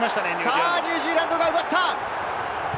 ニュージーランドが奪った！